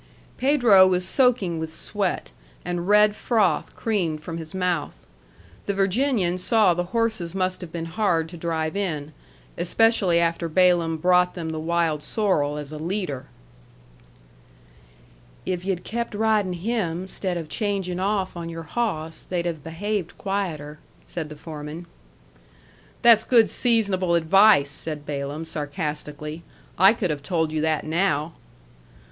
Pedro was soaking with sweat, and red froth creamed from his mouth. The Virginian saw the horses must have been hard to drive in, especially after Balaam brought them the wild sorrel as a leader. "If you'd kep' ridin' him, 'stead of changin' off on your hawss, they'd have behaved quieter," said the foreman. "That's good seasonable advice," said Balaam, sarcastically. "I could have told you that now."